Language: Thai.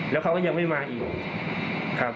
แล้วเขาก็ยังไม่มาอีกครับนี่นะครับ